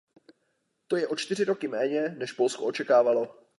To je o čtyři roky méně, než Polsko očekávalo.